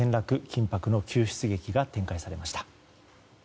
緊迫の救出劇が展開されました。